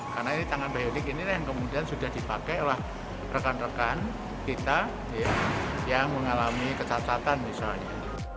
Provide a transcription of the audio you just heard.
karena ini tangan bionik ini yang kemudian sudah dipakai oleh rekan rekan kita yang mengalami kesatatan misalnya